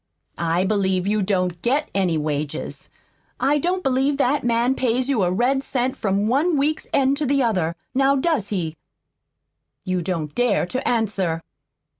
I believe you don't GET any wages. I don't believe that man pays you a red cent from one week's end to the other. Now does he? You don't dare to answer!"